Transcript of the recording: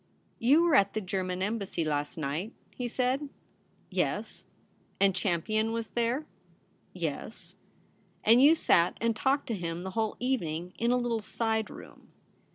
*You were at the German Embassy last night ?' he said. 'Yes.' ' And Champion was there ?'' Yes.' * And you sat and talked to him the whole evening, in a little side room.'